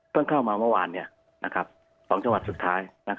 เข้ามาเมื่อวาน๒จังหวัดสุดท้าย